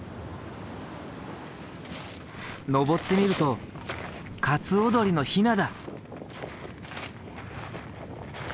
上ってみるとカツオドリのヒナだ。